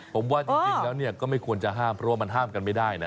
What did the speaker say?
ผมว่าจริงแล้วก็ไม่ควรจะห้ามเพราะว่ามันห้ามกันไม่ได้นะ